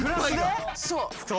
そう。